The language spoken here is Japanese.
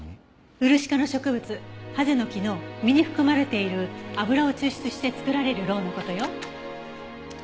ウルシ科の植物ハゼノキの実に含まれている油を抽出して作られる蝋の事よ。